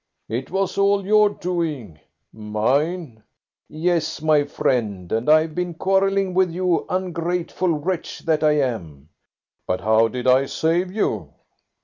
"It was all your doing." "Mine?" "Yes, my friend, and I have been quarrelling with you ungrateful wretch that I am!" "But how did I save you?"